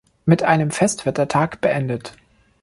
Mit einem Fest wird der Tag beendet.